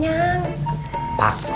buat apa hari ini